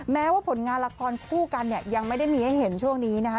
แม้ว่าผลงานละครคู่กันเนี่ยยังไม่ได้มีให้เห็นช่วงนี้นะคะ